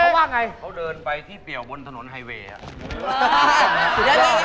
เขาว่าไงเขาเดินไปที่เปลี่ยวบนถนนไฮเวย์อ่ะ